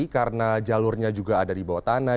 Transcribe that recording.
karena jalurnya juga ada di bawah tanah